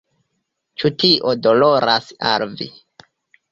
Ĉu tio doloras al vi?